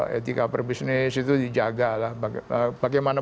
kembali ke etika per bisnis itu dijaga lah bagaimana